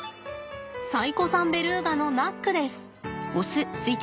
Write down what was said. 最古参ベルーガのナックです。